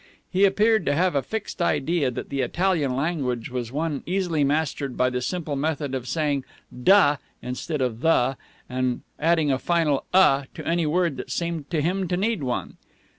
He appeared to have a fixed idea that the Italian language was one easily mastered by the simple method of saying "da" instead of "the," and adding a final "a" to any word that seemed to him to need one.